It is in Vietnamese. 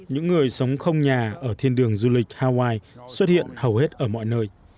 những người sống không nhà ở thiên đường du lịch hawaii xuất hiện hầu hết ở mọi nơi